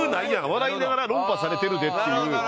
笑いながら論破されてるで」っていう。